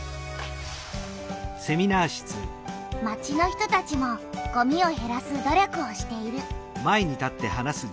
町の人たちもごみをへらす努力をしている。